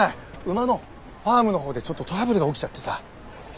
馬のファームのほうでちょっとトラブルが起きちゃってさ。